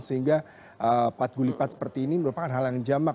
sehingga pad gulipan seperti ini merupakan hal yang jamak